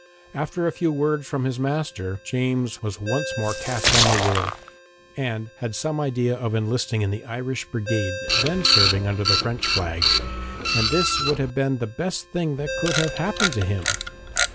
After a few words from his master, James was once more cast on the world, and had some idea of enlisting in the Irish brigade then serving under the French flag, and this would have been the best thing that could have happened to him.